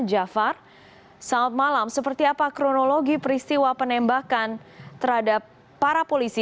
jafar selamat malam seperti apa kronologi peristiwa penembakan terhadap para polisi